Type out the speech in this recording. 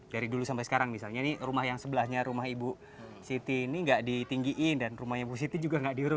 dari dulu sampai sekarang misalnya ini rumah yang sebelahnya rumah ibu siti ini nggak ditinggiin dan rumahnya ibu siti juga nggak diuruk